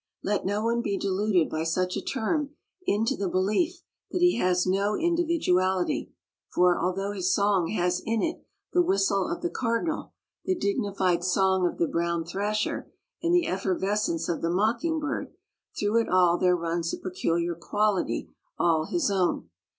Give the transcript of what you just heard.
Let no one be deluded by such a term into the belief that he has no individuality, for, although his song has in it the whistle of the cardinal, the dignified song of the brown thrasher and the effervescence of the mockingbird, through it all there runs a peculiar quality all his own.